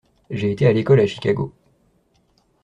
J’ai été à l’école à Chicago.